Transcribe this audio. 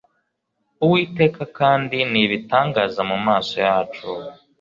uwiteka kandi ni ibitangaza mu maso yacu